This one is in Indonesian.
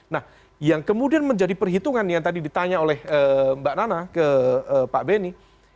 nah yang kemudian menjadi perhitungan yang tadi ditanya oleh mbak nana ke pak beni